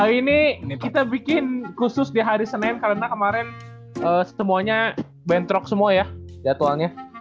ini kita bikin khusus di hari senin karena kemarin semuanya bentrok semua ya jadwalnya